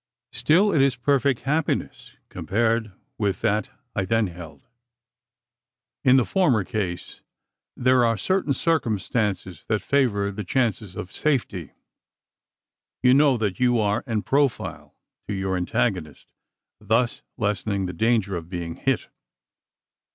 Still it is perfect happiness compared with that I then held. In the former case, there are certain circumstances that favour the chances of safety. You know that you are en profile to your antagonist thus lessening the danger of being hit.